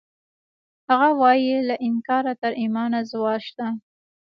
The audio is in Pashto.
هغه وایی له انکاره تر ایمانه زوال شته